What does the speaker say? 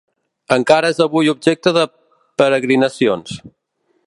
Encara és avui objecte de peregrinacions.